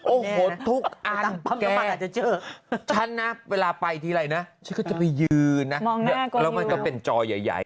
โอ้โหทุกอันแก่ฉันนะเวลาไปทีไรนะฉันก็จะไปยืนนะแล้วมันก็เป็นจอใหญ่